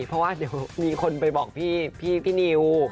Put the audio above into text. เพราะว่าเดี๋ยวมีคนไปบอกพี่นิว